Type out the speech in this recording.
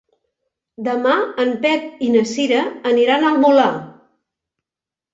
Demà en Pep i na Cira aniran al Molar.